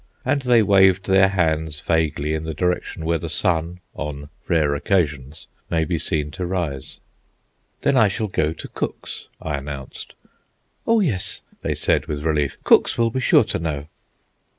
And they waved their hands vaguely in the direction where the sun on rare occasions may be seen to rise. "Then I shall go to Cook's," I announced. "Oh yes," they said, with relief. "Cook's will be sure to know."